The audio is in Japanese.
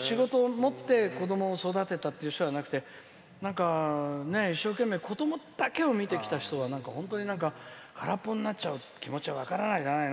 仕事を持って、子供を育てたっていう人じゃなくて一生懸命子供だけを見てきた人はなんか本当に空っぽになっちゃう気持ちは分からなくないな。